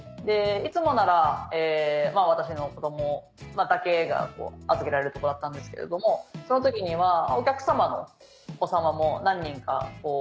いつもなら私の子供だけが預けられるとこだったんですけれどもその時にはお客様のお子様も何人か。